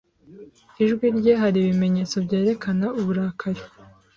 Ijwi rye hari ibimenyetso byerekana uburakari